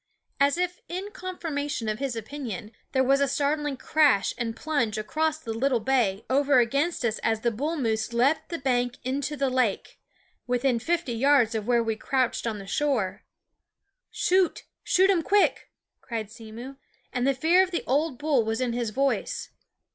As if in confirmation of his opinion, there was a startling crash and plunge across the little bay over against us as a bull moose leaped the bank into the lake, within fifty yards of where we crouched on the shore. " Shoot ! shoot um quick !" cried Simmo ; and the fear of the old bull was in his voice.